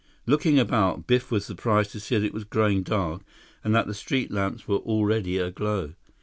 Looking about, Biff was surprised to see that it was growing dark and that the street lamps were already aglow.